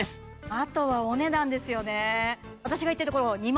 あとはお値段ですよね